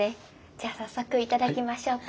じゃあ早速頂きましょうか。